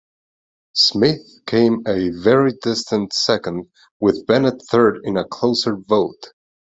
Smith came a very distant second with Bennett third in a closer vote.